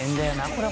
これ